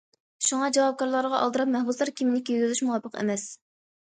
شۇڭا جاۋابكارلارغا ئالدىراپ مەھبۇسلار كىيىمىنى كىيگۈزۈش مۇۋاپىق ئەمەس.